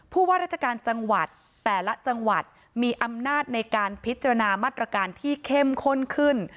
ว่าราชการจังหวัดแต่ละจังหวัดมีอำนาจในการพิจารณามาตรการที่เข้มข้นขึ้น